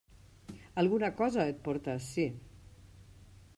Alguna cosa et porta ací.